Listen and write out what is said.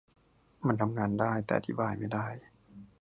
มันทำงานได้ แต่อธิบายไม่ได้